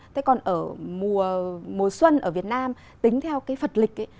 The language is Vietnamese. thế còn ở mùa xuân ở việt nam tính theo cái phật lịch ấy